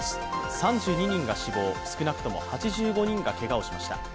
３２人が死亡、少なくとも８５人がけがをしました。